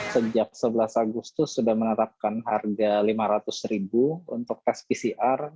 sejak sebelas agustus sudah menetapkan harga rp lima ratus untuk tes pcr